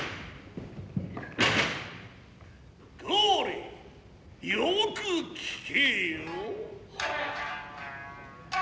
どれよく聞けよ。